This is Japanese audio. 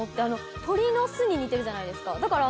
鳥の巣に似てるじゃないですかだから。